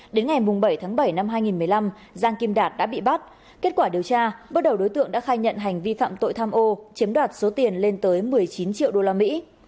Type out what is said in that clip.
đến ngày bảy tháng bảy năm hai nghìn một mươi năm giang kim đạt đã bị bắt kết quả điều tra bước đầu đối tượng đã khai nhận hành vi phạm tội tham ô chiếm đoạt số tiền lên tới một mươi chín triệu đô la mỹ